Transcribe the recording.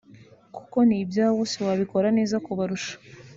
kuko ni ibyabo siwabikora neza kubarusha